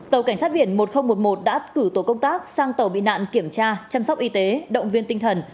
tàu cảnh sát biển một nghìn một mươi một đã cử tổ công tác sang tàu bị nạn kiểm tra chăm sóc y tế động viên tinh thần